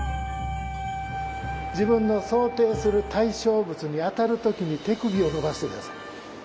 自分の想定する対象物に当たる時に手首を伸ばして下さい当たる時に。